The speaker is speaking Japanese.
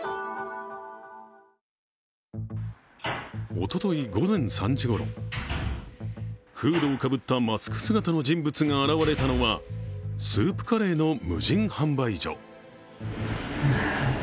おととい午前３時ごろ、フードをかぶったマスク姿の人物が現れたのはスープカレーの無人販売所。